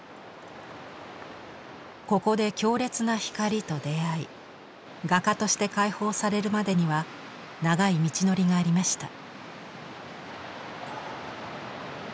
ここで強烈な光と出会い画家として解放されるまでには長い道のりがありました。